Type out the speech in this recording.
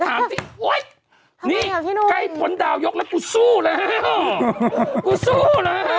ทำยังไงครับพี่หนุ่ม